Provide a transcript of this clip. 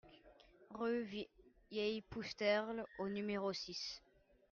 Rue Vieille Pousterle au numéro six